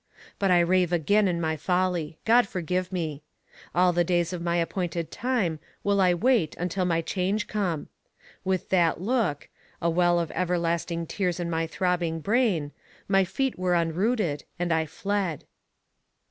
But I rave again in my folly! God forgive me. All the days of my appointed time will I wait until my change come. With that look a well of everlasting tears in my throbbing brain my feet were unrooted, and I fled.